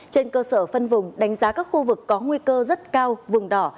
trên cơ sở phân vùng đánh giá các khu vực có nguy cơ rất cao vùng đỏ